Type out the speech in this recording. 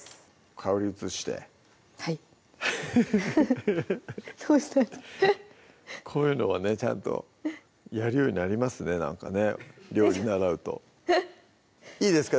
香り移してはいこういうのはねちゃんとやるようになりますねなんかね料理習うといいですか？